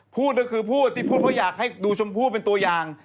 พูดก็คือพูดที่พูดเพราะอยากให้ดูชมพู่เป็นตัวอย่าง